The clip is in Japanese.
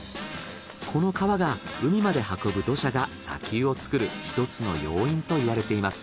この川が海まで運ぶ土砂が砂丘を作る一つの要因といわれています。